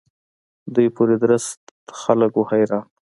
دوی پوري درست خلق وو حیران.